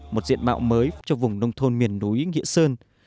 một diện mạo mới cho vùng nông thôn miền núi nghĩa sơn